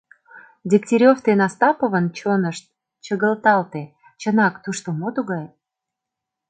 Дегтярев ден Остаповын чонышт чыгылталте: чынак, тушто мо тугай?